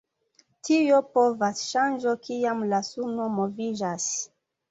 Tio povas ŝanĝo kiam la suno moviĝas.